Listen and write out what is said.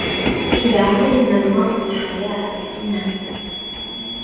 إذا حرم المرء الحياء فإنه